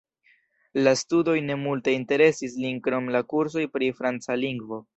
La studoj ne multe interesis lin krom la kursoj pri franca lingvo.